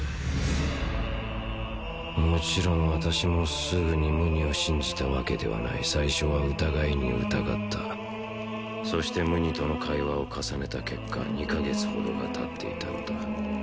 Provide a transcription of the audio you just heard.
もちろん私もすぐにムニを信じたわけではない最初は疑いに疑ったそしてムニとの会話を重ねた結果２カ月ほどがたっていたのだ